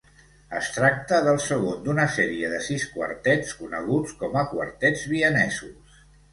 Es tracta del segon d'una sèrie de sis quartets, coneguts com a Quartets vienesos.